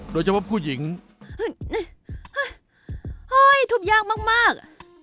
โดยเฉพาะผู้หญิงทุบยากมากมาก